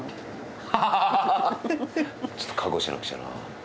ちょっと覚悟しなくちゃな。